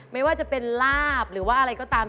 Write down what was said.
ไม่ว่าจะเป็นลาบหรือว่าอะไรก็ตาม